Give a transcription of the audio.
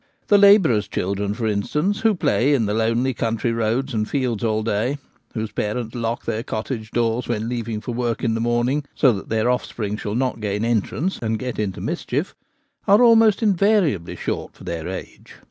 The labourer's children, for instance, who play in the lonely country roads and fields all day, whose parents lock their cottage doors when leaving for work in the morn ing so that their offspring shall not gain entrance and get into mischief, are almost invariably short for their age.